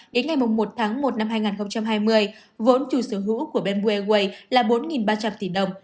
đến ngày một tháng một năm hai nghìn hai mươi vốn chủ sở hữu của bamboo airways là bốn ba trăm linh tỷ đồng